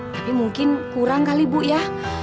tapi mungkin kurang kali bu ya